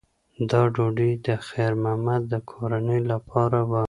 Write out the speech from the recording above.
دا ډوډۍ د خیر محمد د کورنۍ لپاره وه.